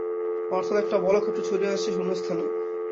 অর্থাৎ একটা বলক্ষেত্র ছড়িয়ে আছে শূন্যস্থানে।